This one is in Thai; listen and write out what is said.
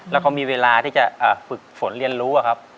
แล้วเขามีเวลาที่จะฝึกฝนเรียนรู้ครับ